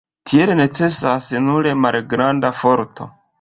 Tiel necesas nur malgranda forto.